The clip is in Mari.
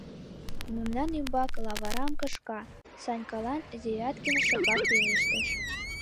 — Мемнан ӱмбак лавырам кышка, — Санькалан Девяткин шыпак пелештыш.